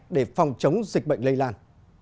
để phòng chống dịch bệnh lây lan